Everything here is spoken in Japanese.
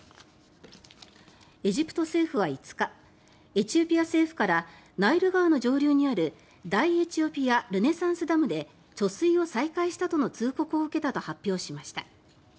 エジプト政府は５日エチオピア政府からナイル川の上流にある大エチオピア・ルネサンスダムで貯水を再開したとの通告を受けたと発表しました。